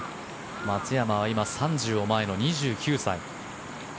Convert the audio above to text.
松山は今、３０前の２９歳。